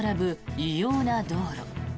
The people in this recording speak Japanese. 異様な道路。